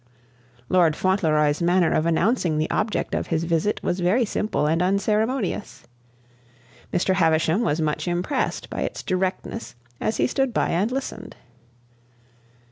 Lord Fauntleroy's manner of announcing the object of his visit was very simple and unceremonious. Mr. Havisham was much impressed by its directness as he stood by and listened.